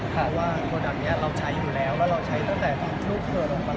เพราะว่าโปรดักต์นี้เราใช้อยู่แล้วแล้วเราใช้ตั้งแต่ตอนลูกเธอลงไปแล้ว